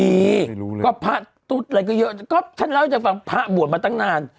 มีก็พระตุ๊ดอะไรก็เยอะก็ฉันเล่าให้ฟังพระบวนมาตั้งนาน